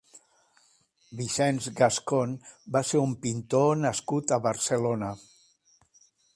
Vicenç Gascón va ser un pintor nascut a Barcelona.